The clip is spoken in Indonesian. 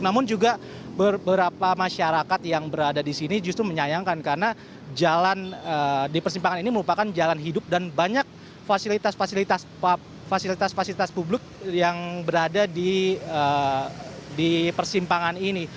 namun juga beberapa masyarakat yang berada di sini justru menyayangkan karena jalan di persimpangan ini merupakan jalan hidup dan banyak fasilitas fasilitas publik yang berada di persimpangan ini